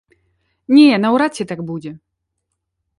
Не, наўрад ці так будзе.